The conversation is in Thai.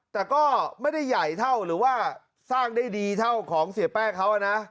แต่ก็ไม่ได้ใหญ่เท่าหรือว่าสร้างได้ดีเท่าของเสียแป้งเขานะ